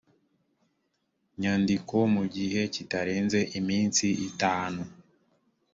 nyandiko mu gihe kitarenze iminsi itanu